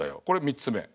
これ３つ目。